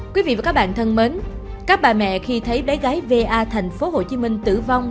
quý vị và các bạn thân mến các bà mẹ khi thấy bé gái va thành phố hồ chí minh tử vong